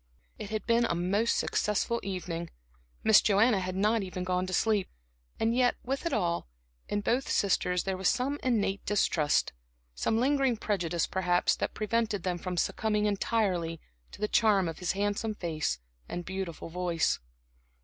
It had been a most successful evening, Miss Joanna had not even gone to sleep. And yet, with it all, in both sisters there was some innate distrust, some lingering prejudice perhaps, that prevented them from succumbing entirely to the charm of his handsome face and beautiful voice.